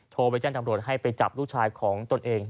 โทรไปแจ้งตำรวจให้ไปจับลูกชายของตนเอง